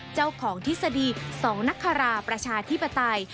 เจ้าของทฤษฎีสองนคราประชาธิปไตย